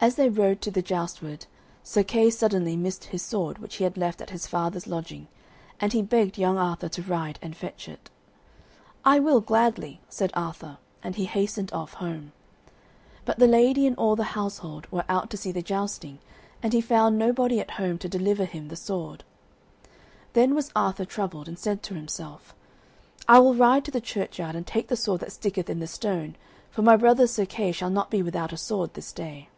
As they rode to the joust ward Sir Kay suddenly missed his sword, which he had left at his father's lodging, and he begged young Arthur to ride and fetch it. "I will gladly," said Arthur, and he hastened off home. But the lady and all the household were out to see the jousting, and he found nobody at home to deliver him the sword. Then was Arthur troubled, and said to himself, "I will ride to the churchyard and take the sword that sticketh in the stone, for my brother Sir Kay shall not be without a sword this day."